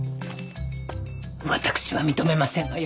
私は認めませんわよ